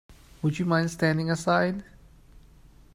Would you mind standing aside?